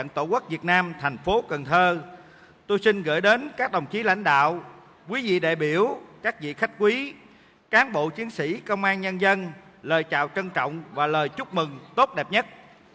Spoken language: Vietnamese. tổ quốc việt nam thành phố cần thơ tôi xin gửi đến các đồng chí lãnh đạo quý vị đại biểu các vị khách quý cán bộ chiến sĩ công an nhân dân lời chào trân trọng và lời chúc mừng tốt đẹp nhất